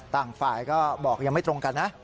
ต่างฝ่ายก็บอกยังไม่ตรงกันนะ